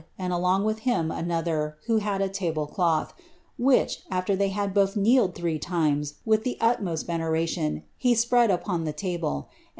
and alone with his another, who had a lable cloih, which, afler thpy had both kneeled ititw times, with the ulinoai veneration, he spread upon the table, and.